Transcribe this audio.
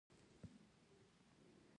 د مفصلونو د اوبو لپاره د کرم پاڼې وکاروئ